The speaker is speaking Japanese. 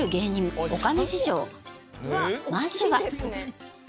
まずは。